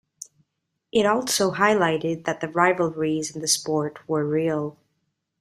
It also highlighted that the rivalries in the sport were real.